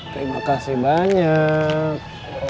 terima kasih banyak